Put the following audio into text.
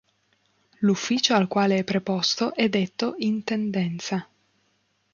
L'ufficio al quale è preposto è detto "intendenza".